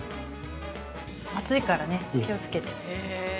◆熱いからね、気をつけて。